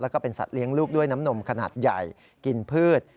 แล้วก็เป็นสัตว์เลี้ยงลูกด้วยน้ำนมขนาดใหญ่กินพืช